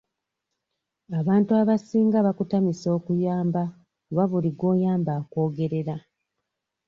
Abantu abasinga bakutamisa okuyamba kuba buli gw'oyamba akwogerera.